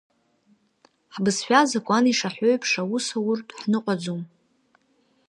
Ҳбызшәа азакәан ишаҳәо еиԥш аус ауртә ҳныҟәаӡом.